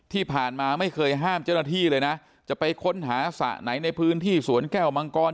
ที่ผ่านมาไม่เคยห้ามเจ้าหน้าที่เลยนะจะไปค้นหาสระไหนในพื้นที่สวนแก้วมังกร